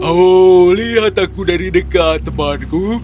oh lihat aku dari dekat temanku